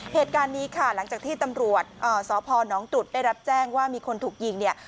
เหตุการณ์นี้ค่ะหลังจากที่ตำรวจสพนตรุษได้รับแจ้งว่ามีคนถูกยิงเนี่ย